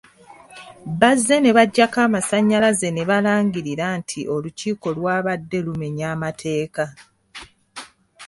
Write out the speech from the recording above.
Bazze nebaggyako amasannyalaze ne balangirira nti olukiiko lwabadde lumenya amateeka.